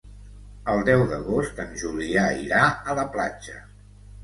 El deu d'agost en Julià irà a la platja.